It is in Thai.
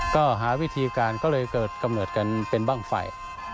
ก็หาวิธีการก็เลยเกิดกำเนิดกันเป็นบ้างไฟ